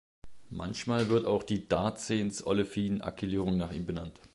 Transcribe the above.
Manchmal wird auch die Darzens-Olefin-Acylierung nach ihm benannt.